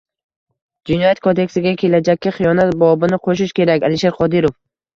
“Jinoyat kodeksiga Kelajakka xiyonat bobini qo‘shish kerak” — Alisher Qodirov